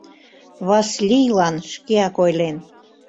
Васлийлан шкеак ойлен.